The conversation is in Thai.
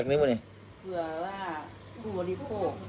เผื่อว่ารูลิโภค